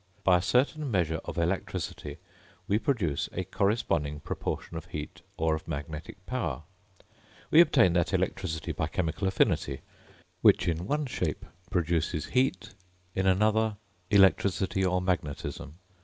By a certain measure of electricity we produce a corresponding proportion of heat or of magnetic power; we obtain that electricity by chemical affinity, which in one shape produces heat, in another electricity or magnetism.